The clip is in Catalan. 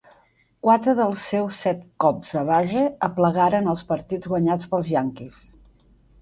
Quatre dels seus set colps de base aplegaren als partits guanyats pels Yankees.